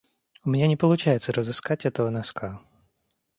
У меня не получается разыскать этого носка.